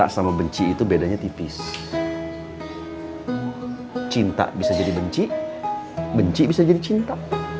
sampai jumpa di video selanjutnya